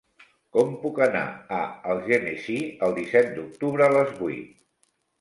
Com puc anar a Algemesí el disset d'octubre a les vuit?